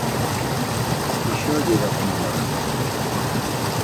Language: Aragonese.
Ixo ye de goma aora.